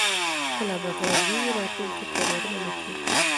که لابراتوار واي، راتلونکې تېروتنه نه کېده.